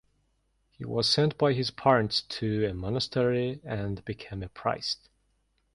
He was sent by his parents to a monastery and became a priest.